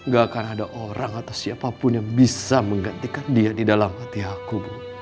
gak akan ada orang atau siapapun yang bisa menggantikan dia di dalam hati aku